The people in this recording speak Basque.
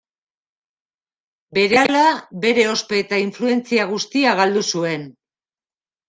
Berehala, bere ospe eta influentzia guztia galdu zuen.